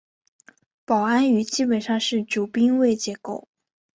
保安语基本上是主宾谓结构。